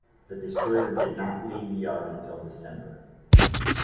The destroyer did not leave the yard until December.